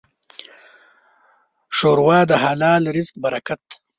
ښوروا د حلال رزق برکت ده.